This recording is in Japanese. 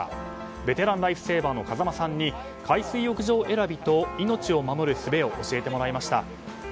ベテランライフセーバーの風間さんに海水浴場選びと命を守るすべを教えてもらいました。